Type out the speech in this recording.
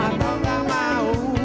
atau gak mau